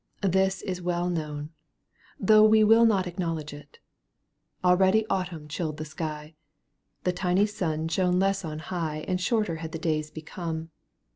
This is well known, Though we wHl not acknowledge it. Already Autumn chilled the sky, The tiny sun shone less on high And shorter had the days become.